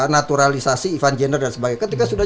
naturalisasi ivan gender dan sebagainya ketika sudah